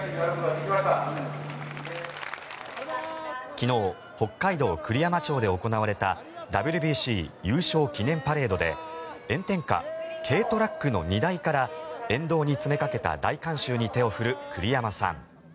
昨日北海道栗山町で行われたＷＢＣ優勝記念パレードで炎天下、軽トラックの荷台から沿道に詰めかけた大観衆に手を振る栗山さん。